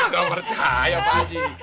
gue percaya pak haji